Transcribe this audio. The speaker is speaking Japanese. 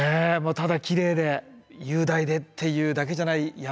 ただきれいで雄大でっていうだけじゃない山。